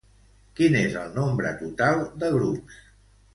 Quin és el nombre total de grups?